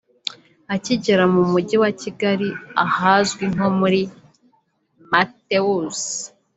akigera mu mujyi wa Kigali ahazwi nko muri Mateus